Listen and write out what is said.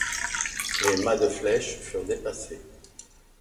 Les mâts de flèche furent dépassés.